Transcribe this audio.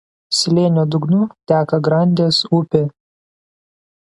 Slėnio dugnu teka Grandės upė.